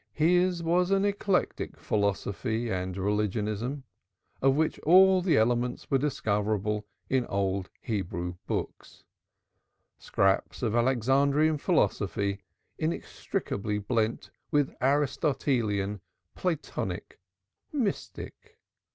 His was an eclectic philosophy and religionism, of which all the elements were discoverable in old Hebrew books: scraps of Alexandrian philosophy inextricably blent with Aristotelian, Platonic, mystic.